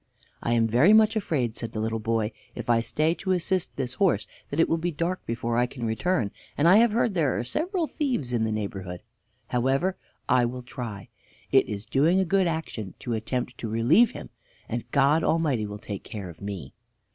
"I am very much afraid," said the little boy, "if I stay to assist this horse that it will be dark before I can return, and I have heard there are several thieves in the neighborhood. However, I will try. It is doing a good action to attempt to relieve him, and God Almighty will take care of me."